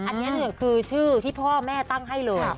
อันนี้คือชื่อที่พ่อแม่ตั้งให้เลย